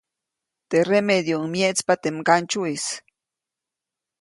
Teʼ remedyuʼuŋ myeʼtspa teʼ mgandsyuʼis.